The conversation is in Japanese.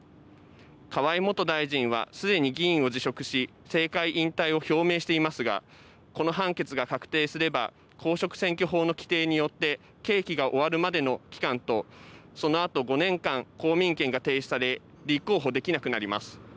河井元大臣はすでに議員を辞職し政界引退を表明していますがこの判決が確定すれば公職選挙法の規定によって刑期が終わるまでの期間とそのあと５年間公民権が停止され立候補できなくなります。